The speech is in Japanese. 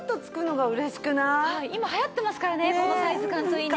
今流行ってますからねこのサイズ感といいね。